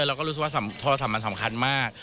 เราก็รู้สึกว่าโทรศัพท์มันสำคัญมาก